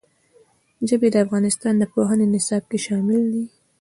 ژبې د افغانستان د پوهنې نصاب کې شامل دي.